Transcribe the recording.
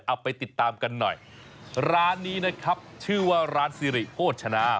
เอาไปติดตามกันหน่อยร้านนี้นะครับชื่อว่าร้านสิริโภชนา